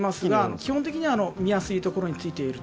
基本的には見やすいところについている。